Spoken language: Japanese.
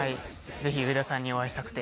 ぜひ上田さんにお会いしたくて。